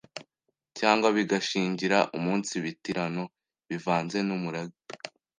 Cyangwa bigashingira umunsi bitirano bivanze n’umurag